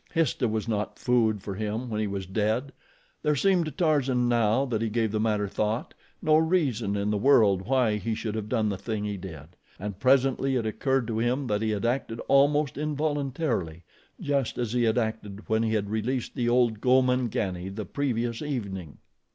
Histah was not food for him when he was dead. There seemed to Tarzan, now that he gave the matter thought, no reason in the world why he should have done the thing he did, and presently it occurred to him that he had acted almost involuntarily, just as he had acted when he had released the old Gomangani the previous evening.